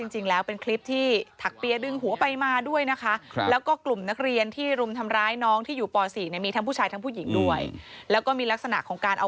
จริงแล้วเป็นคลิปที่ถักเบี้ยดึงหัวไปมาด้วยนะคะ